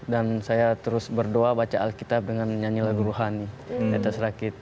dan saya terus berdoa baca alkitab dengan nyanyi lagu rohani di atas rakit